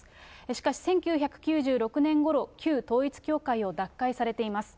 しかし１９９６年ごろ、旧統一教会を脱会されています。